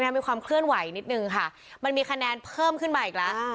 มีความเคลื่อนไหวนิดนึงค่ะมันมีคะแนนเพิ่มขึ้นมาอีกแล้ว